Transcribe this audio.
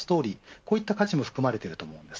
こういった価値も含まれていると思います。